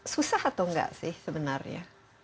susah atau nggak sih sebenarnya